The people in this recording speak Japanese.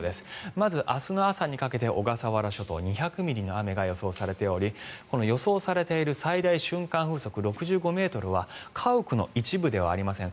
まず、明日の朝にかけて小笠原諸島２００ミリの雨が予想されておりこの予想されている最大瞬間風速６５ｍは家屋の一部ではありません。